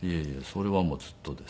それはもうずっとです。